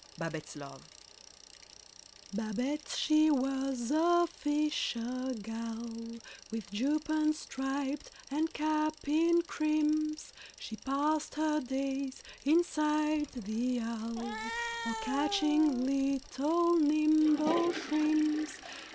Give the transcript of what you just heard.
BABETTE'S LOVE BABETTE she was a fisher gal, With jupon striped and cap in crimps. She passed her days inside the Halle, Or catching little nimble shrimps.